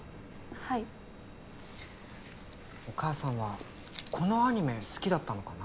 お母さんはこのアニメ好きだったのかな？